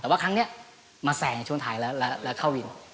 แต่ว่าครั้งนี้มาแสงในช่วงท้ายแล้วแล้วเข้าวิน